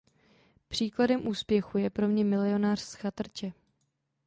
Příkladem úspěchu je pro mne Milionář z chatrče.